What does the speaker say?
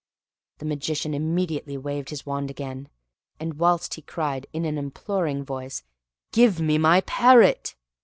The Magician immediately waved his wand again; and whilst he cried, in an imploring voice, "Give me my parrot!"